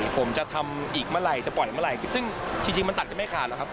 ผมจะทำอีกเมื่อไหร่จะปล่อยเมื่อไหร่ซึ่งจริงมันตัดกันไม่ขาดหรอกครับ